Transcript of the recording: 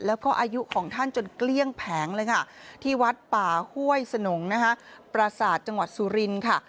แล้วก็อายุของท่านจนเกลี้ยงแผงเลยค่ะที่วัดป่าห้วยสนงนะคะประสาทจังหวัดสุรินทร์ค่ะ